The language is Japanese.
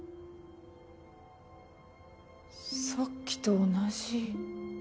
さっきと同じ。